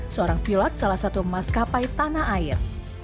seorang pilot salah satu maskapai tanah air